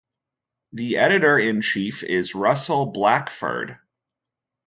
The editor-in-chief is Russell Blackford.